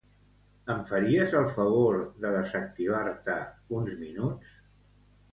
Em faries el favor de desactivar-te uns minuts?